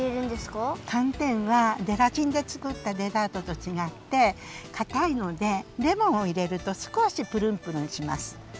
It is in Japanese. かんてんはゼラチンでつくったデザートとちがってかたいのでレモンをいれるとすこしプルンプルンします。